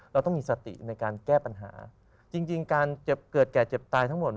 เราต้องมีสติในการแก้ปัญหาจริงการเจ็บเกิดแก่เจ็บตายทั้งหมด